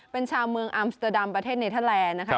เป็นชาวเมืองอัมสเตอร์ดัมประเทศเนเทอร์แลนด์นะคะ